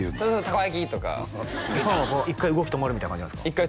「たこ焼き」とかファンは一回動き止まるみたいな感じなんですか？